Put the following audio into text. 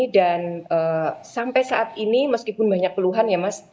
dan sampai saat ini meskipun banyak peluhan ya mas